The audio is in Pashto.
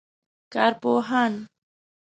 کارپوهان